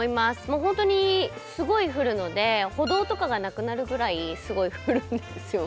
もう本当にすごい降るので歩道とかがなくなるぐらいすごい降るんですよ。